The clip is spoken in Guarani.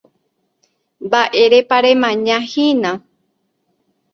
Mba'érepa remañahína.